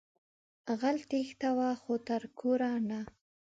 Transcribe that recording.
غل تېښتوه خو تر کوره نه